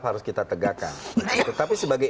harus kita tegakkan tetapi sebagai